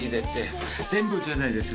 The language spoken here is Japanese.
全部じゃないです。